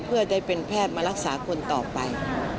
เพื่อได้เป็นแพทย์มารักษาคนต่อไป